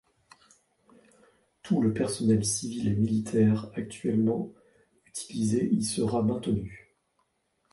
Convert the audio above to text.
Tout le personnel civil et militaire actuellement utilisé y sera maintenu.